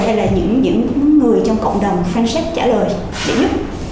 hay là những người trong cộng đồng fanpage trả lời để giúp